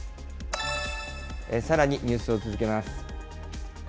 さらに、ニュースを続けます。